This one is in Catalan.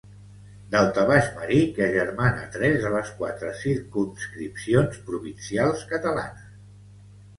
Daltabaix marí que agermana tres de les quatre circumscripcions provincials catalanes.